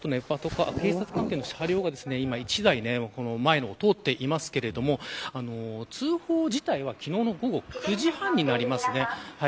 警察関係の車両が今１台前を通っていますが通報自体は昨日の午後９時半になります。